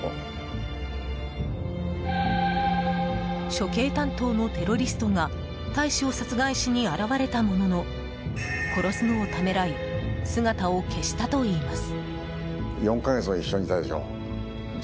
処刑担当のテロリストが大使を殺害しに現れたものの殺すのをためらい姿を消したといいます。